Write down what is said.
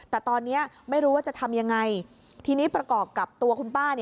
แต่ตอนนี้ไม่รู้ว่าจะทำยังไงทีนี้ประกอบกับตัวคุณป้า